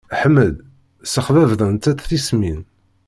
Ḥmed ssexbabḍent-t tismin.